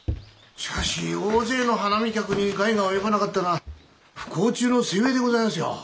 しかし大勢の花見客に害が及ばなかったのは不幸中の幸いでございますよ。